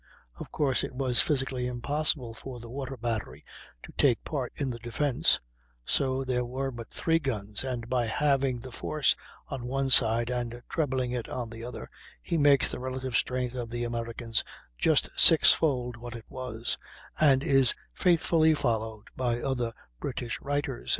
Of course, it was physically impossible for the water battery to take part in the defence; so there were but 3 guns, and by halving the force on one side and trebling it on the other, he makes the relative strength of the Americans just sixfold what it was, and is faithfully followed by other British writers.